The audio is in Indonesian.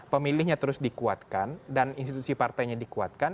pemilihnya terus dikuatkan dan institusi partainya dikuatkan